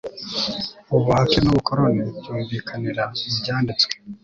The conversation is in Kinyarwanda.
ubuhake n'ubukoloni byumvikanira mu byanditswe